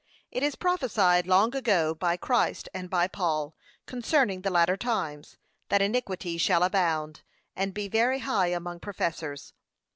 It is prophesied long ago, by Christ and by Paul, concerning the latter times, 'that iniquity shall abound, and be very high among professors.'